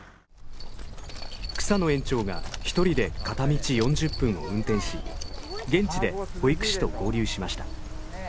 草野園長が１人で片道４０分を運転し現地で保育士と合流しました。